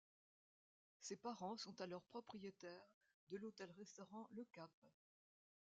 Ses parents sont alors propriétaires de l'hôtel-restaurant Le Cap.